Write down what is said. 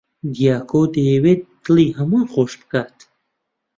دیاکۆ دەیەوێت دڵی هەمووان خۆش بکات.